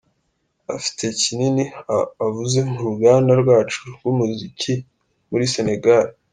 Afite kinini avuze mu ruganda rwacu rw’umuziki muri Senegal….